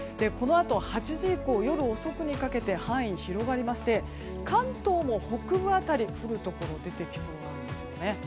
このあと８時以降夜遅くにかけて範囲が広がりまして関東も北部辺りで降るところが出てきそうです。